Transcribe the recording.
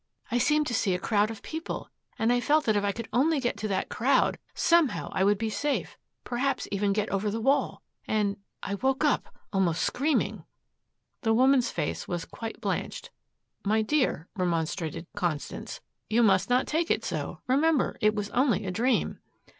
I seemed to see a crowd of people and I felt that if I could only get to that crowd, somehow I would be safe, perhaps might even get over the wall and I woke up almost screaming." The woman's face was quite blanched. "My dear," remonstrated Constance, "you must not take it so. Remember it was only a dream.